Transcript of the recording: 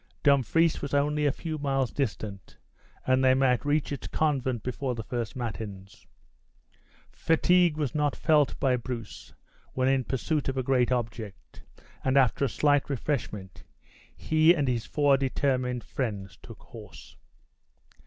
Dumfries was only a few miles distant, and they might reach its convent before the first matins. Fatigue was not felt by Bruce when in pursuit of a great object; and, after a slight refreshment, he and his four determined friends took horse.